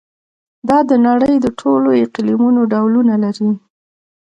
دا د نړۍ د ټولو اقلیمونو ډولونه لري.